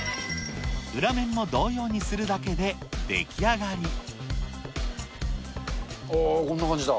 裏面も同様にするだけで出来おー、こんな感じだ。